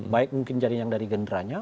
baik mungkin jadi yang dari gerindranya